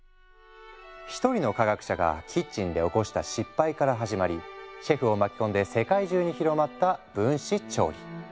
一人の科学者がキッチンで起こした失敗から始まりシェフを巻き込んで世界中に広まった分子調理。